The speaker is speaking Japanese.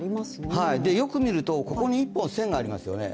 よく見ると、ここに１本線がありますよね。